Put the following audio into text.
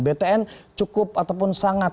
btn cukup ataupun sangat